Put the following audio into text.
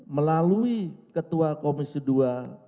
melalui ketua komisi ii dpr ri